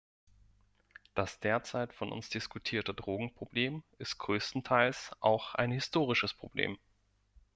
Das derzeit von uns diskutierte Drogenproblem ist größtenteils auch ein historisches Problem.